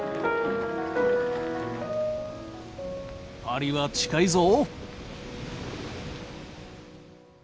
「パリは近いぞ！」。